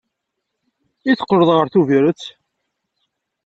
I teqqleḍ ɣer Tubiret?